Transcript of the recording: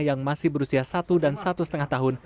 yang masih berusia satu dan satu lima tahun